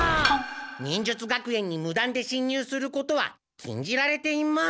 忍術学園にむだんでしん入することはきんじられています。